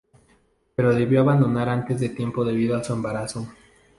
Pero debió abandonar antes de tiempo debido a su embarazo.